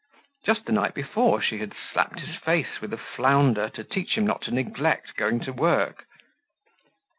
Just the night before she had slapped his face with a flounder to teach him not to neglect going to work.